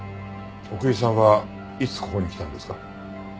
奥居さんはいつここに来たんですか？